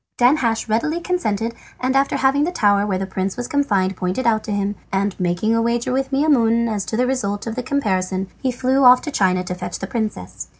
Danhasch readily consented, and after having the tower where the prince was confined pointed out to him, and making a wager with Maimoune as to the result of the comparison, he flew off to China to fetch the princess.